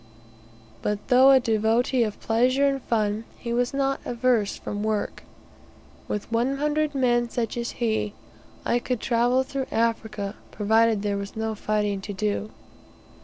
But though a devotee of pleasure and fun, he was not averse from work. With one hundred men such as he, I could travel through Africa provided there was no fighting to do.